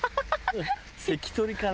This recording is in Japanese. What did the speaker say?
関取かな？